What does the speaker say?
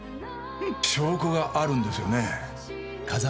証拠があるんですよね？